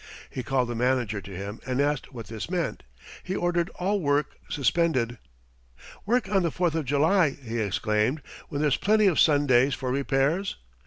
He called the manager to him and asked what this meant. He ordered all work suspended. "Work on the Fourth of July!" he exclaimed, "when there's plenty of Sundays for repairs!"